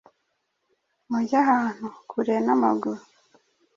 mujye ahantu kure n’amaguru